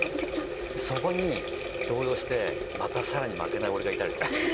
そこに動揺してまた更に負けない俺がいたりとか。